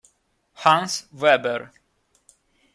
Hans Weber